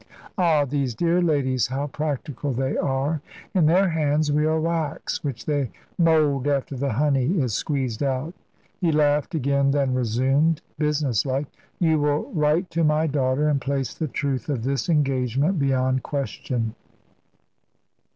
Ah, these dear ladies, how practical they are! In their hands we are wax, which they mould after the honey is squeezed out"; he laughed again, then resumed, business like: "You will write to my daughter and place the truth of this engagement beyond question."